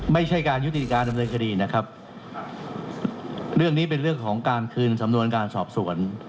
ไม่ใช่การยุติการดำเนินคดีนะครับเรื่องนี้เป็นเรื่องของการคืนสำนวนการสอบสวน